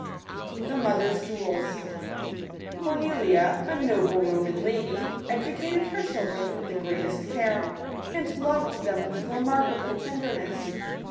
JfL _1L. ©Ik Sefcete. ORNELIA, a noble Roman lady, |f educated her children with the ' greatest care, and loved them with remarkable tenderness.